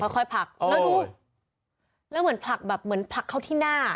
ค่อยผลักแล้วดูแล้วเหมือนผลักแบบเหมือนผลักเข้าที่หน้า